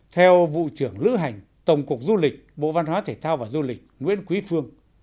theo vụ trưởng lữ hành tổng cục du lịch bộ văn hóa thể thao và du lịch nguyễn quý phương